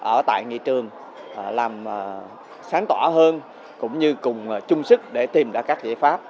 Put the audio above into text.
ở tại nghị trường làm sáng tỏa hơn cũng như cùng chung sức để tìm ra các giải pháp